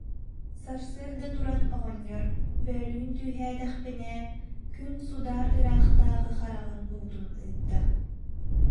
Сарсыарда туран оҕонньор: «Бөөлүүн түһээтэхпинэ, күн судаар ыраахтааҕы хараҕын уутун ыытта